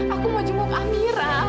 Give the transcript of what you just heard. aku mau jumpa amira